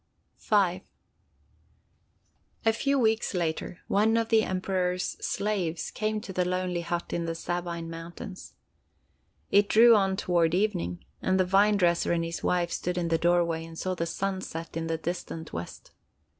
V A few weeks later, one of the Emperor's slaves came to the lonely hut in the Sabine mountains. It drew on toward evening, and the vine dresser and his wife stood in the doorway and saw the sun set in the distant west.